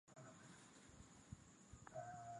Tuna pashwa ku saidiana sisi wote